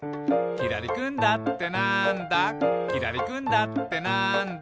「きらりくんだってなんだ？」